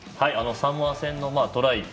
サモア戦のトライ。